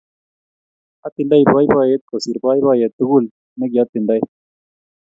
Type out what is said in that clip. Atindoi boiboiyet kosir boiboyet tugul nikiyatindoi